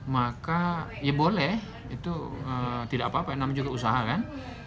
maka ya boleh itu tidak apa apa yang namanya juga usaha kan